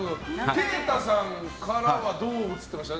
慶太さんからはどう映ってました？